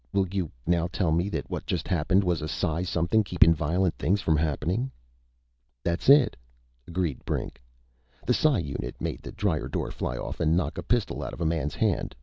Will you now tell me that what just happened was a psi something keepin' violent things from happening?" "That's it," agreed Brink. "The psi unit made the dryer door fly off and knock a pistol out of a man's hand.